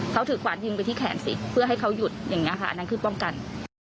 เขาถือขวานยิงไปที่แขนสิเพื่อให้เขาหยุดอย่างนี้ค่ะอันนั้นคือป้องกัน